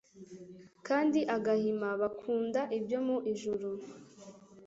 kandi agahima bakunda ibyo mu ijuru.